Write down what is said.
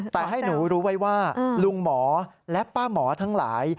แต่ให้หนูรู้ไว้ว่าลุงหมอและป้าหมอทั้งหลาย